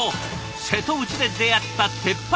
瀬戸内で出会った鉄板ランチ。